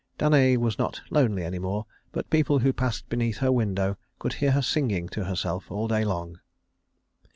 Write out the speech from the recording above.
Danaë was not lonely any more, but people who passed beneath her window could hear her singing to herself all day long.